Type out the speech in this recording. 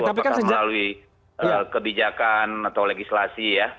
apakah melalui kebijakan atau legislasi ya